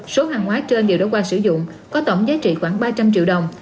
số hàng hóa trên đều đã qua sử dụng có tổng giá trị khoảng ba trăm linh triệu đồng